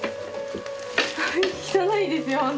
汚いですよ